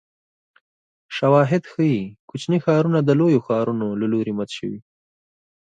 شواهد ښيي کوچني ښارونه د لویو ښارونو له لوري مات شوي